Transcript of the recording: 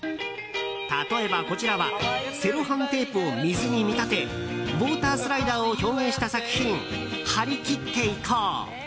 例えば、こちらはセロハンテープを水に見立てウォータースライダーを表現した作品「貼り切っていこう」。